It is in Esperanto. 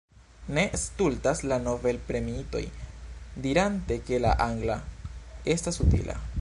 Ne stultas la nobelpremiitoj dirante ke la angla estas utila.